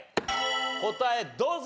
答えどうぞ。